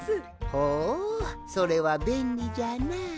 ほうそれはべんりじゃな。